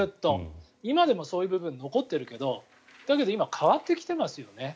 今でもそういう部分が残っているけど今は変わってきていますよね。